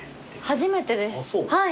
初めてです。